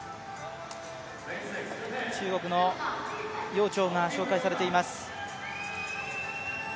中国の楊暢が紹介されています。